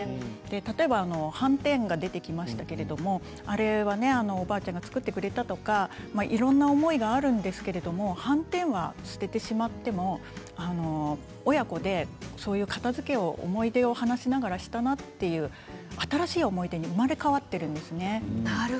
例えば、はんてんが出てきましたけれどもあれは、おばあちゃんが作ってくれたとかいろんな思いがあるんですけどはんてんは捨ててしまっても親子で片づけをした思い出を話しながらしたなという新しい思い出に生まれ変わっているんですよね。